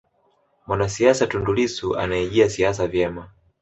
mwanasiasa tundu lissu anaijia siasa vyema